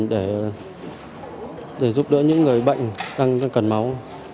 để giúp đỡ những người bệnh đang cần máu